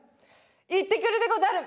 いってくるでござる！